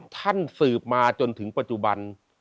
ท่านสืบมาจนถึงปัจจุบัน